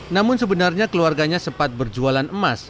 namun sebenarnya keluarganya sempat berjualan emas